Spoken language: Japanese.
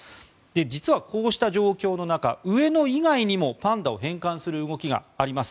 実はこうした状況の中上野以外にもパンダを返還する動きがあります。